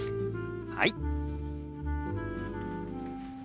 はい。